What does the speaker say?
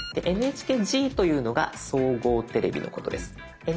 でＮＨＫＧというのが総合テレビのことです。